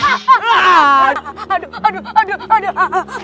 aduh aduh aduh aduh